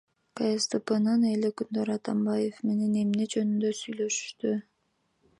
КСДПнын эл өкүлдөрү Атамбаев менен эмне жөнүндө сүйлөшүштү?